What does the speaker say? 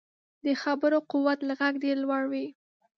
د خبرو قوت له غږ ډېر لوړ وي